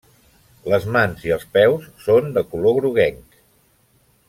Les mans i els peus són de color groguenc.